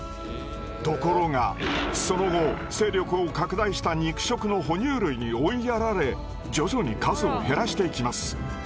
ところがその後勢力を拡大した肉食の哺乳類に追いやられ徐々に数を減らしていきます。